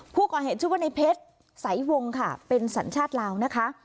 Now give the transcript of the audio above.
ผู้ก่อเหตุชื่อว่าในเพชรสายวงค่ะเป็นสัญชาติลาวนะคะ